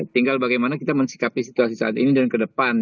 tinggal bagaimana kita mensikapi situasi saat ini dan ke depan